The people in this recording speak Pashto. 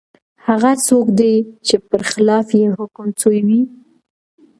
هغه څوک دی چي پر خلاف یې حکم سوی وي ؟